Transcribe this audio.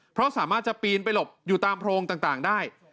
เพราะสามารถจะปีนไปหลบอยู่ตามโพรงต่างได้